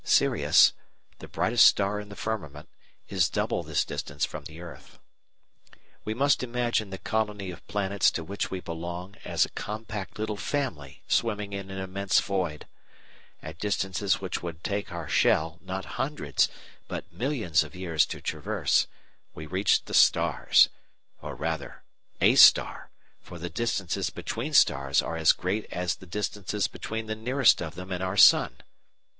Sirius, the brightest star in the firmament, is double this distance from the earth. We must imagine the colony of planets to which we belong as a compact little family swimming in an immense void. At distances which would take our shell, not hundreds, but millions of years to traverse, we reach the stars or rather, a star, for the distances between stars are as great as the distance between the nearest of them and our Sun.